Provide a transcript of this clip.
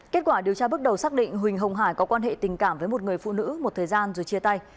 kết quả điều tra bước đầu xác định huỳnh hồng hải có quan hệ tình cảm với một người phụ nữ một thời gian rồi chia tay